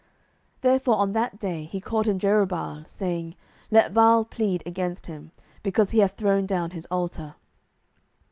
07:006:032 Therefore on that day he called him Jerubbaal, saying, Let Baal plead against him, because he hath thrown down his altar.